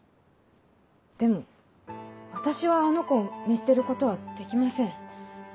でも私はあの子を見捨てることはできません。